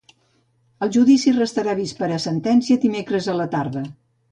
El judici restarà vist per a sentència dimecres a la tarda.